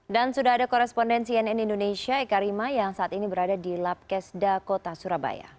dan sudah ada korespondensi nn indonesia eka rima yang saat ini berada di labkesda kota surabaya